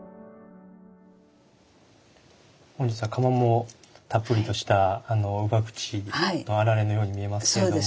本日は釜もたっぷりとした姥口の霰のように見えますけれども。